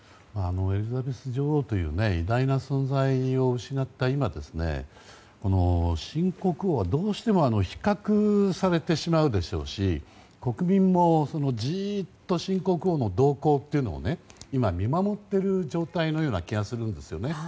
エリザベス女王という偉大な存在を失った今新国王はどうしても比較されてしまうでしょうし国民も、じーっと新国王の動向を今、見守っている状態のような気がするんですね。